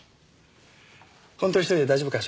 本当に１人で大丈夫か？